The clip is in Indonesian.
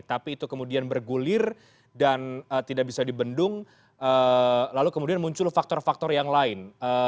tapi itu kemudian bergulir dan tidak bisa dibendung lalu kemudian muncul faktor faktor yang lain